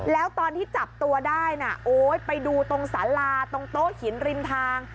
แล้วตอนที่จับตัวได้นะโอ๊ยไปดูตรงสาราตรงโต๊ะหินริมทาง